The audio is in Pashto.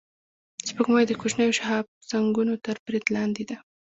سپوږمۍ د کوچنیو شهابسنگونو تر برید لاندې ده